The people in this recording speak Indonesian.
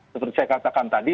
seperti saya katakan tadi